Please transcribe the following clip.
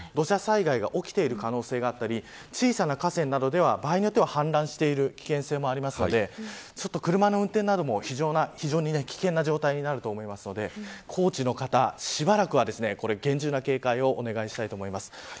土砂災害が起きている可能性があったり小さな河川などでは場合によっては氾濫している危険性もあるので車の運転なども、非常に危険な状態になると思うので高知の方、しばらくは厳重な警戒をお願いしたいと思います。